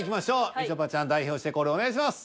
みちょぱちゃん代表してコールお願いします。